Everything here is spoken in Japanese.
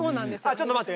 ちょっと待って！